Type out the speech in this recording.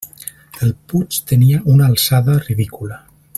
El puig tenia una alçada ridícula.